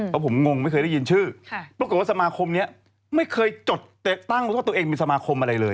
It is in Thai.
เพราะผมงงไม่เคยได้ยินชื่อปรากฏว่าสมาคมนี้ไม่เคยจดตั้งแล้วก็ตัวเองเป็นสมาคมอะไรเลย